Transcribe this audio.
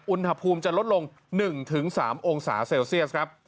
อุณหภูมิจะลดลง๑๓องศาเซลเซียสครับ